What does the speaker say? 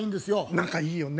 仲いいよね。